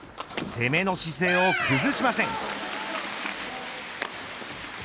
攻めの姿勢を崩しません。